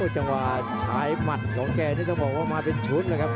จังหว่าชายมัดของแกนี่จะบอกว่ามาเป็นชุดครับ